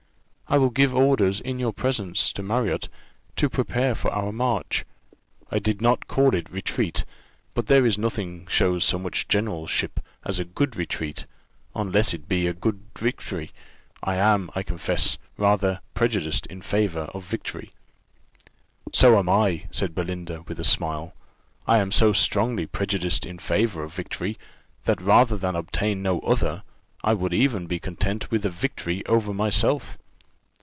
I will give orders, in your presence, to Marriott, to prepare for our march I did not call it retreat; but there is nothing shows so much generalship as a good retreat, unless it be a great victory. I am, I confess, rather prejudiced in favour of victory." "So am I," said Belinda, with a smile; "I am so strongly prejudiced in favour of victory, that rather than obtain no other, I would even be content with a victory over myself."